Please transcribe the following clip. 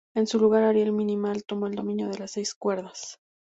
En su lugar Ariel Minimal toma el dominio de las seis cuerdas.